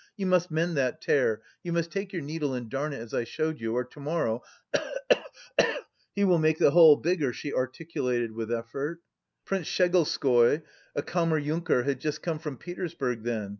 (You must mend that tear, you must take your needle and darn it as I showed you, or to morrow cough, cough, cough he will make the hole bigger," she articulated with effort.) "Prince Schegolskoy, a kammerjunker, had just come from Petersburg then...